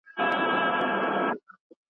ستا په کوڅه کې ستا پوښتنه ترې کوومه